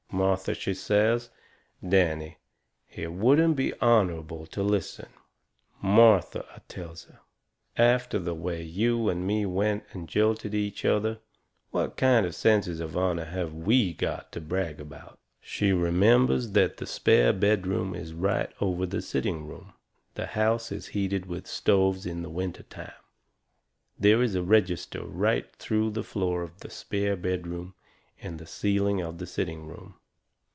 Martha, she says: "Danny, it wouldn't be honourable to listen." "Martha," I tells her, "after the way you and me went and jilted each other, what kind of senses of honour have WE got to brag about?" She remembers that the spare bedroom is right over the sitting room. The house is heated with stoves in the winter time. There is a register right through the floor of the spare bedroom and the ceiling of the sitting room.